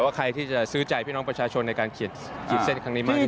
ว่าใครที่จะซื้อจ่ายพี่น้องประชาชนในการขีดเซ็ตครั้งนี้มากที่สุด